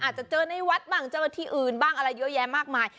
อาจจะเจอในวัดบ้างเจ้าหน้าที่อื่นบ้างอะไรเยอะแยะมากมาย